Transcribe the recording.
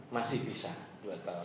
masih bisa dua tahun